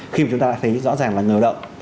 khi mà chúng ta thấy rõ ràng là ngờ động